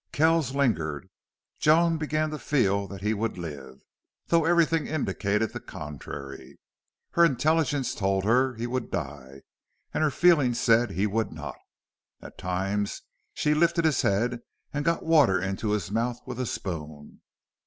Kells lingered. Joan began to feel that he would live, though everything indicated the contrary. Her intelligence told her he would die, and her feeling said he would not. At times she lifted his head and got water into his mouth with a spoon.